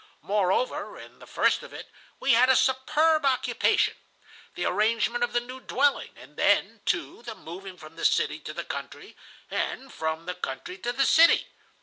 Moreover, in the first of it, we had a superb occupation,—the arrangement of the new dwelling, and then, too, the moving from the city to the country, and from the country to the city.